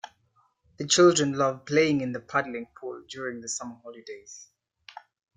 The children loved playing in the paddling pool during the summer holidays